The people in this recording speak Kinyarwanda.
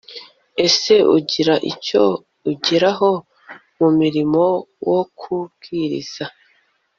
ese ugira icyo ugeraho mu murimo wo kubwiriza